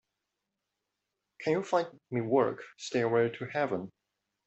Can you find me work, Stairway to Heaven?